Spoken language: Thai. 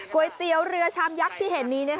ก๋วยเตี๋ยวเรือชามยักษ์ที่เห็นนี้